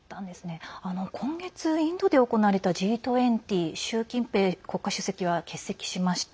今月、インドで行われたＧ２０習近平国家主席は欠席しました。